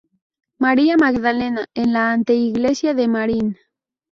María Magdalena en la anteiglesia de Marin.